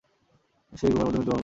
সে ঘুমের মধ্যে মৃত্যুবরণ করেছে।